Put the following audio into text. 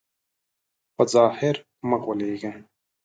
په ظاهر مه غولېږئ.